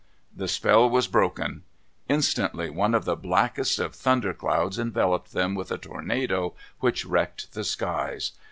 The spell was broken. Instantly one of the blackest of thunder clouds enveloped them, with a tornado which wrecked the skies.